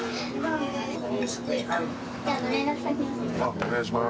お願いします。